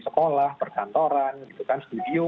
sekolah perkantoran studio